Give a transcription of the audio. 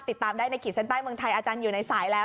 ติดตามได้ในขีดเส้นใต้เมืองไทยอาจารย์อยู่ในสายแล้ว